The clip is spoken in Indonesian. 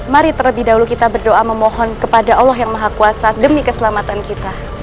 mari terlebih dahulu kita berdoa memohon kepada allah yang maha kuasa demi keselamatan kita